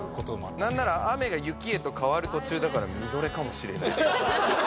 なんなら雨が雪へと変わる途中だからみぞれかもしれないと思っていた。